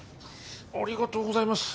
ありがとうございます。